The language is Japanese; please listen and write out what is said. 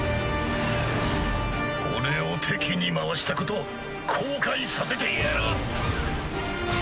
俺を敵に回したこと後悔させてやる！